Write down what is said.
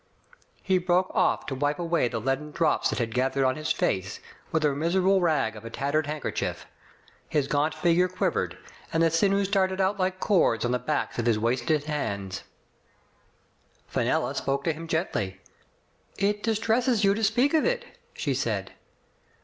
*' He broke off to wipe away the leaden drops that had gathered on his face, with a miserable rag of a tattered handkerchief. His gaunt figure quiv ered, and the sinews started out like cords on the ba^gks pf hi§ wasted hands. Digitized by Google CLO, GRAVES, ^37 Fenella spoke to him gently. "It distresses you to speak of it/' she said.